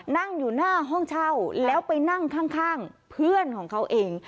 นั่งอยู่หน้าห้องเช่าแล้วไปนั่งข้างเพื่อนของเขาเอง